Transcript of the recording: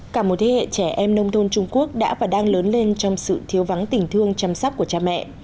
cả một thế hệ trẻ em nông thôn trung quốc đã và đang lớn lên trong sự thiếu vắng tình thương chăm sóc của cha mẹ